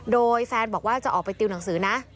โดยแฟนบอกว่าจะออกไปติวหนังสือนะ